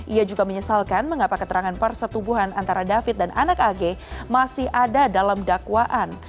ia juga menyesalkan mengapa keterangan persetubuhan antara david dan anak ag masih ada dalam dakwaan